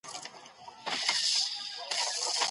د کتاب مخونه د ماشوم د حوصلې سره برابر دي.